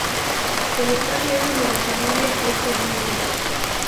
El estar lejos de la familia es terrible.